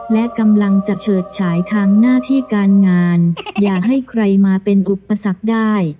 และกำลังจะเฉิดฉายทางหน้าที่การงานอย่าให้ใครมาเป็นอุปสรรคได้